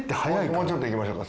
もうちょっといきましょうか。